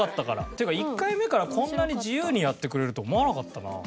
っていうか１回目からこんなに自由にやってくれると思わなかったなうん。